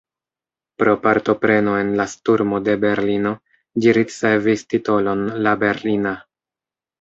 Pro partopreno en la sturmo de Berlino ĝi ricevis titolon «la Berlina».